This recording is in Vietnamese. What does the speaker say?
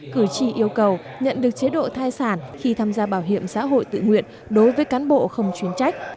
cử tri yêu cầu nhận được chế độ thai sản khi tham gia bảo hiểm xã hội tự nguyện đối với cán bộ không chuyến trách